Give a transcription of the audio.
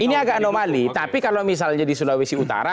ini agak anomali tapi kalau misalnya di sulawesi utara